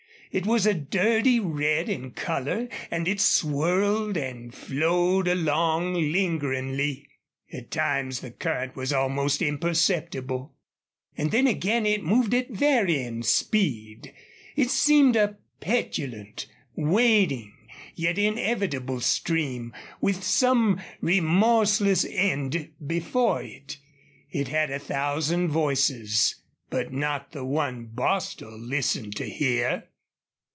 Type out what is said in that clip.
It was a dirty red in color, and it swirled and flowed along lingeringly. At times the current was almost imperceptible; and then again it moved at varying speed. It seemed a petulant, waiting, yet inevitable stream, with some remorseless end before it. It had a thousand voices, but not the one Bostil listened to hear.